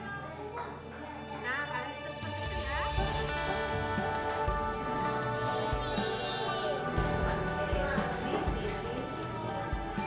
dan juga di dalam kelas kerja guru